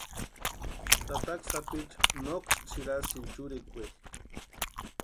Tataka sápicha noksï tsʼirasïnti churikweeri.